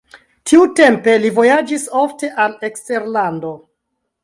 Tiutempe li vojaĝis ofte al eksterlando.